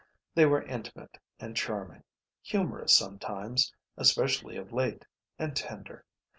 They were intimate and charming, humorous sometimes, especially of late, and tender.